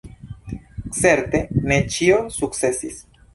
Certe ne ĉio sukcesis.